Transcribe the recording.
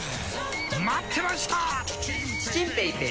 待ってました！